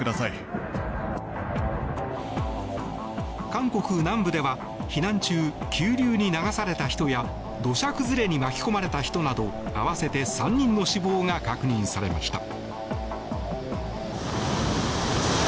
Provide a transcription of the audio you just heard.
韓国南部では避難中、急流に流された人や土砂崩れに巻き込まれた人など合わせて３人の死亡が確認されました。